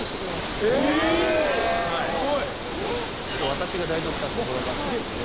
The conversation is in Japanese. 私が代読させてもらいます。